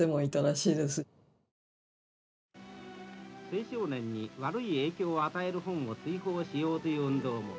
青少年に悪い影響を与える本を追放しようという運動も。